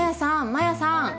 マヤさん！